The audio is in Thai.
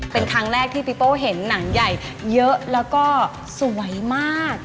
เป็นครั้งแรกที่พี่โป้เห็นหนังใหญ่เยอะแล้วก็สวยมาก